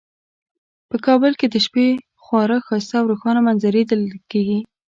په کابل کې د شپې خورا ښایسته او روښانه منظرې لیدل کیږي